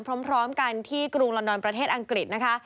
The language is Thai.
พร้อมกันที่กรุงลอนดอนประเทศอังกฤษนะคะ